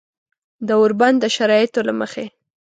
د اوربند د شرایطو له مخې